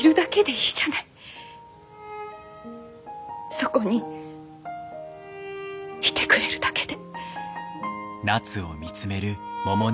そこにいてくれるだけで。